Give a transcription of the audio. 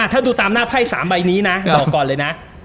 ถ้าดูตามหน้าไพ่๓ใบนี้นะบอกก่อนเลยนะ